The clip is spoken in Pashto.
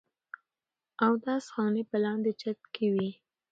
اودس خانې پۀ لاندې چت کښې وې